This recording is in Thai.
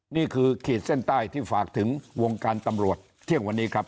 ขีดเส้นใต้ที่ฝากถึงวงการตำรวจเที่ยงวันนี้ครับ